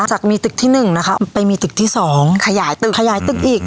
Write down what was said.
จากมีตึกที่๑นะคะไปมีตึกที่สองขยายตึกขยายตึกอีก